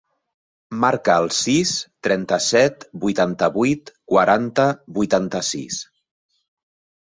Marca el sis, trenta-set, vuitanta-vuit, quaranta, vuitanta-sis.